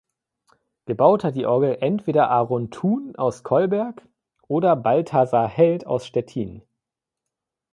Gebaut hat die Orgel entweder Aaron Thun aus Kolberg oder Balthasar Held aus Stettin.